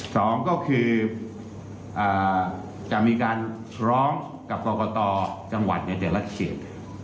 สองก็คือจะมีการร้องกับกรกตจังหวัดในแต่ละเขต